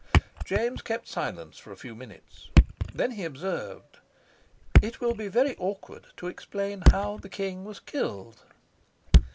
James kept silence for a few minutes. Then he observed, "It will be very awkward to explain how the king was killed."